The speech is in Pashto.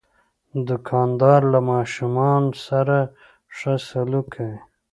دوکاندار له ماشومان سره ښه سلوک کوي.